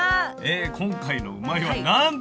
今回の「うまいッ！」はなんと。